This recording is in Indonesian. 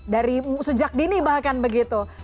dari sejak dini bahkan begitu